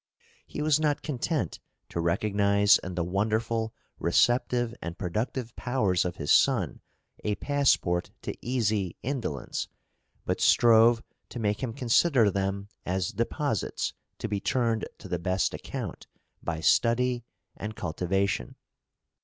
He was not content to recognise in the wonderful receptive and productive powers of his son a passport to easy indolence, but strove to make him consider them as deposits to be turned to the best account by study and cultivation.